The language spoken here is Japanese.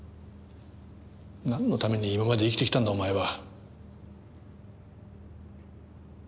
なんのために今まで生きてきたんだお前は。